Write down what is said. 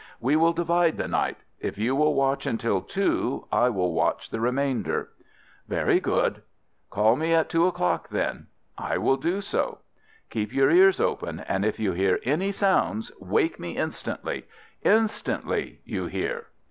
"We will divide the night. If you will watch until two, I will watch the remainder." "Very good." "Call me at two o'clock, then." "I will do so." "Keep your ears open, and if you hear any sounds wake me instantly—instantly, you hear?"